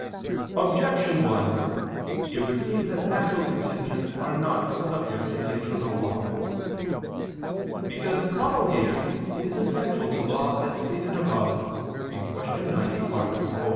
Objection 1: It would seem that natural contingents are not subject to the eternal law. Because promulgation is essential to law, as stated above (Q. 90, A. 4).